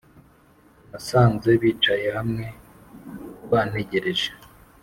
nasanze bicaye hamwe bantegereje